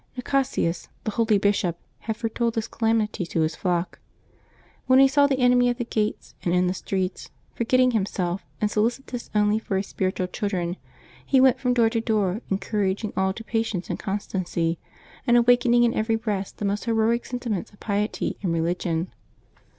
Nicasius, the holy bishop, had foretold this ca lamity to his flock. When he saw the enemy at the gates and in the streets, forgetting himself, and solicitous only for his spiritual children, he went from door to door en couraging all to patience and constancy, and awaking in Decembeb 15] LIVES OF TEE SAINTS 379 every breast the most heroic sentiments of piety and re ligion.